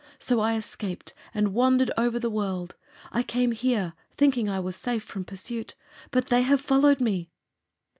So I escaped and wandered over the world. I came here, thinking I was safe from pursuit. But they have followed me!"